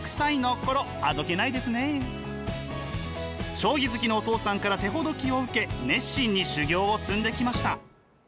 将棋好きのお父さんから手ほどきを受け熱心に修業を積んできました。